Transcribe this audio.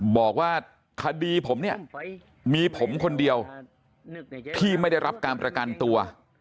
บอกว่าคดีผมเนี่ยมีผมคนเดียวที่ไม่ได้รับการประกันตัว